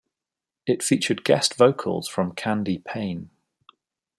It featured guest vocals from Candie Payne.